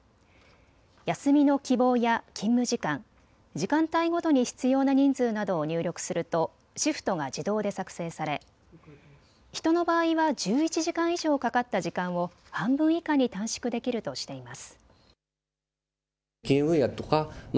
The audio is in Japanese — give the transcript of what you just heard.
休みの希望や勤務時間、時間帯ごとに必要な人数などを入力するとシフトが自動で作成され人の場合は１１時間以上かかった時間を半分以下に短縮できるとしています。